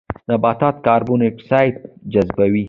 نباتات کاربن ډای اکسایډ جذبوي